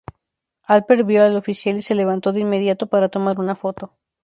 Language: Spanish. Alpert vio al oficial y se levantó de inmediato para tomar una foto.